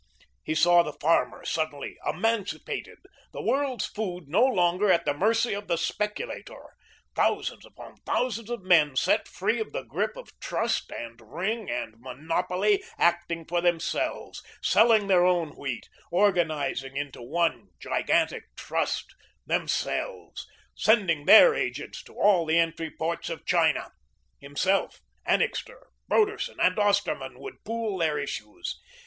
He saw the farmer suddenly emancipated, the world's food no longer at the mercy of the speculator, thousands upon thousands of men set free of the grip of Trust and ring and monopoly acting for themselves, selling their own wheat, organising into one gigantic trust, themselves, sending their agents to all the entry ports of China. Himself, Annixter, Broderson and Osterman would pool their issues.